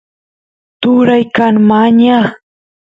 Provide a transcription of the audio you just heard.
turay kan mañaq